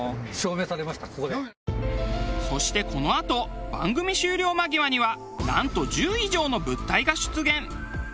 そしてこのあと番組終了間際にはなんと１０以上の物体が出現。